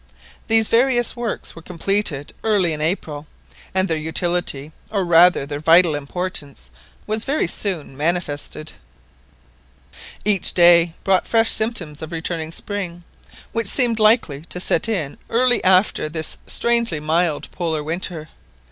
These various works were completed early in April, and their utility, or rather their vital importance, was very soon manifested. Each day brought fresh symptoms of returning spring, which seemed likely to set in early after this strangely mild Polar winter.